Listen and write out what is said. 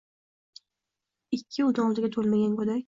Ikki o’n oltiga to’lmagan go’dak